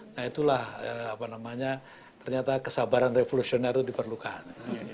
nah itulah apa namanya ternyata kesabaran revolusioner itu diperlukan